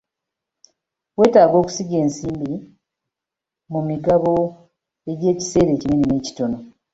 Weetaaga okusiga ensimbi mu migabo egy'ekiseera ekinene n'ekittono.